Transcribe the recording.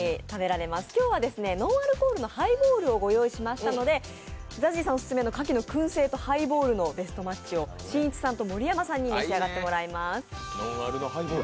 今日はノンアルコールのハイボールをご用意しましたので、ＺＡＺＹさんオススメの牡蠣のくん製とハイボールのベストマッチをしんいちさんと盛山さんに召し上がっていただきます。